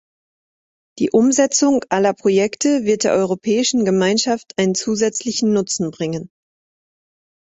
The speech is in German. Die Umsetzung aller Projekte wird der Europäischen Gemeinschaft einen zusätzlichen Nutzen bringen.